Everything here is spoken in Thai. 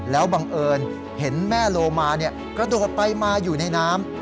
แล้วบังเอิญเห็นแม่โลมากระโดดไปมาอยู่ในน้ำ